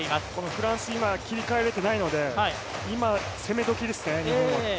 フランス、今、切り替えられていないので今、攻めどきですね、日本は。